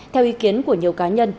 theo ý kiến của nhiều cá nhân